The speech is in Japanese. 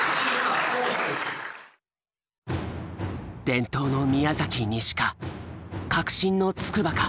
伝統の宮崎西か革新の筑波か。